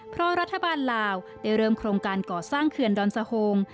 เพราะรัฐบาลลาวได้เริ่มโครงการก่อสร้างเขื่อนดอนสะโง